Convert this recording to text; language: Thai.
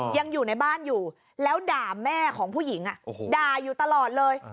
ยังอยู่ในบ้านอยู่แล้วด่าแม่ของผู้หญิงด่าอยู่ตลอดเลย